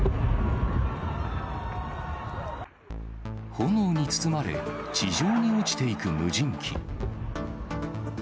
炎に包まれ、地上に落ちていく無人機。